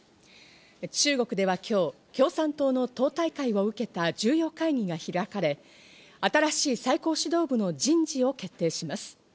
中国では今日、共産党の党大会を受けた重要会議が開かれ、新しい最高指導部の人事を決定します。